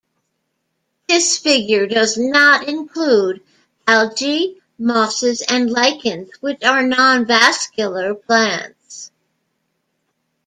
This figure does not include algae, mosses, and lichens, which are non-vascular plants.